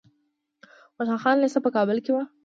خوشحال خان لیسه په کابل کې وه.